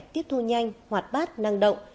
tiếp thu nhanh hoạt bát năng động